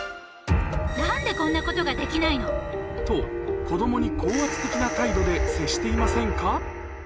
なんでこんなことができないと、子どもに高圧的な態度で接していませんか？